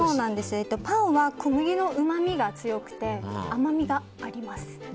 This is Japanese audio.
パンは小麦のうまみが強くて甘みがあります。